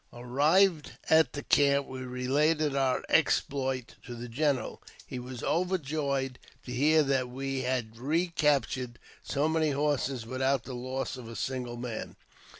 Arrived at the camp, we related our exploit to the general. He was overjoyed to hear that we had recaptured so many horses without the loss of a single man.